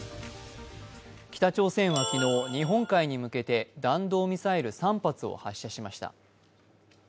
北朝鮮は昨日、日本海に向けて弾道ミサイル３発を発射しました。